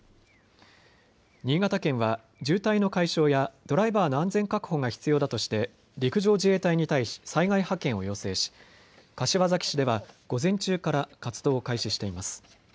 新潟県は渋滞の解消やドライバーの安全確保が必要だとして陸上自衛隊に対し災害派遣を要請し、柏崎市では午前中から活動を開始しています。